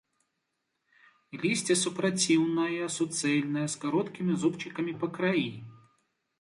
Лісце супраціўнае, суцэльнае, з кароткімі зубчыкамі па краі.